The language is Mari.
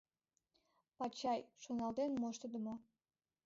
Пачай — шоналтен моштыдымо.